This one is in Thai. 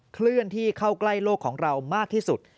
เคลื่อนที่เข้าใกล้โลกของเรามากที่สุด